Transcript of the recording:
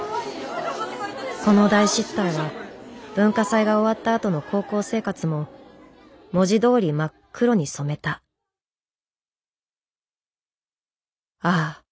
この大失態は文化祭が終わったあとの高校生活も文字どおり真っ黒に染めたああ